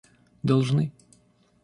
должны